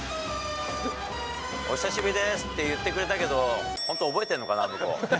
お久しぶりですって言ってくれたけど、本当に覚えてるのかな、僕のこと。